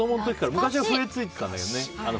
昔は笛がついていたんだけどね。